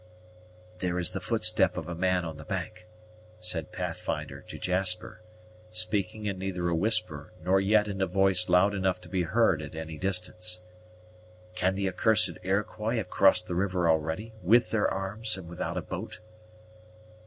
"There is the footstep of a man on the bank," said Pathfinder to Jasper, speaking in neither a whisper nor yet in a voice loud enough to be heard at any distance. "Can the accursed Iroquois have crossed the river already, with their arms, and without a boat?"